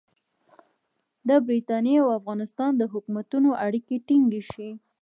د برټانیې او افغانستان د حکومتونو اړیکې ټینګې شي.